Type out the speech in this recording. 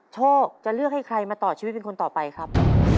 โชคจะเลือกให้ใครมาต่อชีวิตเป็นคนต่อไปครับ